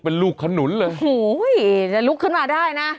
เป็นลูกขนุนเลยโอ้โหจะลุกขึ้นมาได้นะ